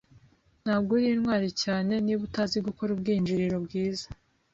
Ntabwo uri intwari cyane niba utazi gukora ubwinjiriro bwiza.